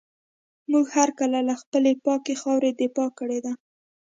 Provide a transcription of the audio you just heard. موږ هر کله له خپلي پاکي خاوري دفاع کړې ده.